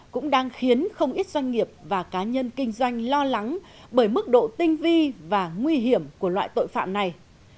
cũng đang khiến không ít doanh nghiệp và cá nhân kinh doanh lo lắng bởi mức độ tinh vi và nguy hiểm của loại tội phạm này